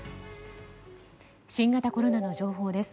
新型コロナの情報です。